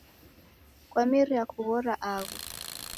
Kwameria kughora agho